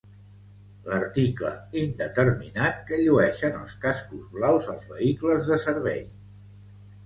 L'article indeterminat que llueixen els cascos blaus als vehicles de servei.